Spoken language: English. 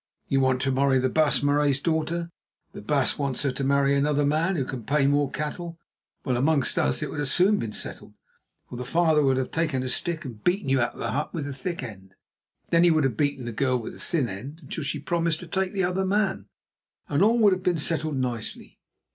You want to marry the Baas Marais's daughter; the baas wants her to marry another man who can pay more cattle. Well, among us it would soon have been settled, for the father would have taken a stick and beaten you out of the hut with the thick end. Then he would have beaten the girl with the thin end until she promised to take the other man, and all would have been settled nicely.